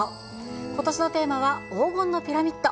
ことしのテーマは、黄金のピラミッド。